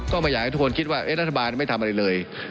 ไม่อยากให้ทุกคนคิดว่ารัฐบาลไม่ทำอะไรเลย